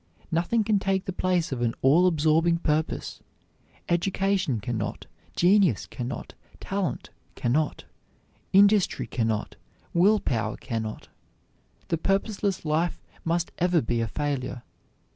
Nothing can take the place of an all absorbing purpose; education can not, genius can not, talent can not, industry can not, will power can not. The purposeless life must ever be a failure.